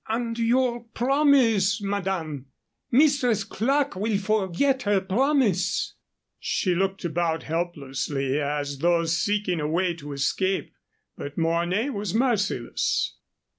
"And your promise, madame. Mistress Clerke will forget her promise?" She looked about helplessly, as though seeking a way to escape. But Mornay was merciless.